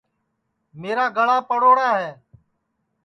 میرا گݪا پڑوڑا ہے